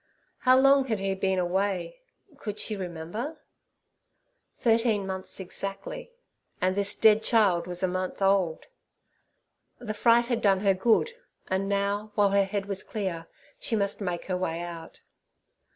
How long had he been away? Could she remember? Thirteen months exactly, and this dead child was a month old. The fright had done her good, and now, while her head was clear, she must make her way out.